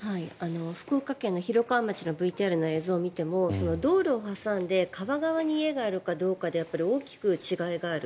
福岡県広川町のＶＴＲの映像を見ても道路を挟んで川側に家があるかどうかで大きく違いがある。